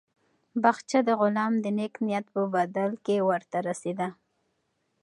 باغچه د غلام د نېک نیت په بدل کې ورته ورسېده.